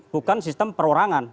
bukan sistem perorangan